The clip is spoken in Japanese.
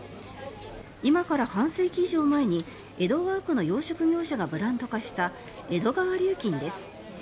今から半世紀以上前に江戸川区の養殖業者がブランド化した江戸川リュウキンです。